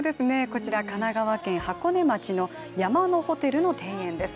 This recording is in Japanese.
こちら神奈川県箱根町の山のホテルの庭園です。